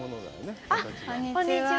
こんにちは。